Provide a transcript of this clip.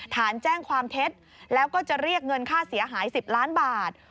ฐานแจ้งความเท็จแล้วก็จะเรียกเงินค่าเสียหาย๑๐ล้านบาท